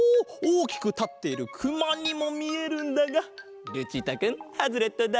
おおきくたっているくまにもみえるんだがルチータくんハズレットだ！